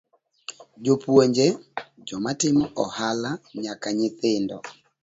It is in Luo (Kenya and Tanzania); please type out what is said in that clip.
Jopuonje, joma timo ohala nyaka nyithindo